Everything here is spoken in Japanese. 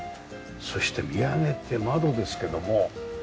そして見上げて窓ですけども。